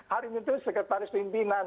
arin itu sekretaris pimpinan